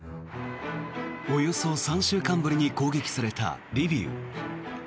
およそ３週間ぶりに攻撃されたリビウ。